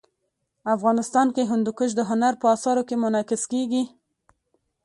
افغانستان کي هندوکش د هنر په اثارو کي منعکس کېږي.